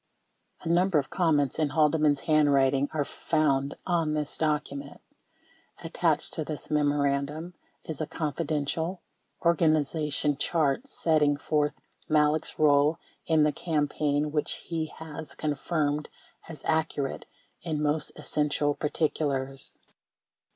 A number of comments in Haldeman's handwriting are found on this document. Attached to this memorandum is a "Confi dential" organization chart setting forth Malek's role in the campaign which he has confirmed as accurate in most essential particulars.